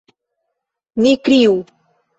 Ni kriu!